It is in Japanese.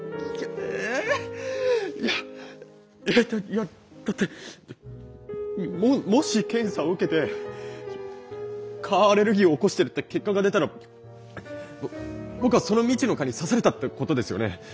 えいやだってもし検査を受けて蚊アレルギーを起こしてるって結果が出たら僕はその未知の蚊に刺されたってことですよね。